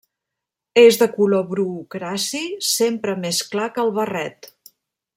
És de color bru ocraci, sempre més clar que el barret.